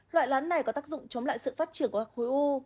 loại lá này có tác dụng chống lại sự phát triển của các khối u